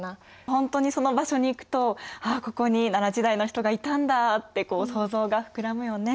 ほんとにその場所に行くと「あここに奈良時代の人がいたんだ」ってこう想像が膨らむよね。